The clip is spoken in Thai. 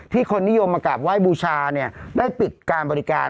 คนนิยมมากราบไหว้บูชาได้ปิดการบริการ